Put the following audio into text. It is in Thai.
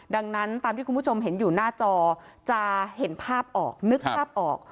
ดังนั้นตามที่คุณผู้ชมเห็นอยู่หน้าจอจะเห็นภาพออกนึกภาพออก